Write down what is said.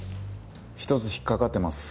一つ引っかかってます。